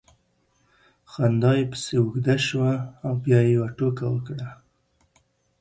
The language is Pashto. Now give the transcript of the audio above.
خندا یې پسې اوږده سوه او بیا یې یوه ټوکه وکړه